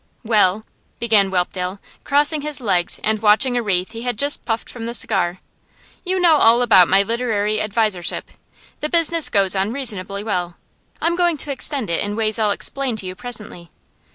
'Well,' began Whelpdale, crossing his legs and watching a wreath he had just puffed from the cigar, 'you know all about my literary advisership. The business goes on reasonably well. I'm going to extend it in ways I'll explain to you presently.